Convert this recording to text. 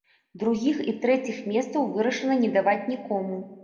Другіх і трэціх месцаў вырашана не даваць нікому.